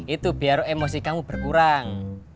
itu biar emosi kamu berkurang